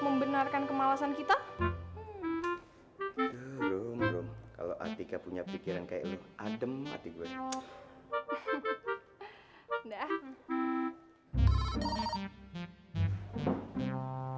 membenarkan kemalesan kita kalau artikel punya pikiran kayak adem adem